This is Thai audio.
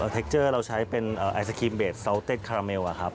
เทคเจอร์เราใช้เป็นไอศกิมเบรดซัลเต็ดคาราเมลครับ